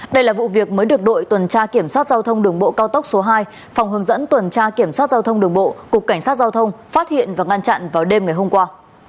đây là vụ việc mới được đội tuần tra kiểm soát giao thông đường bộ cao tốc số hai phòng hướng dẫn tuần tra kiểm soát giao thông đường bộ cục cảnh sát giao thông phát hiện và ngăn chặn vào đêm ngày hôm qua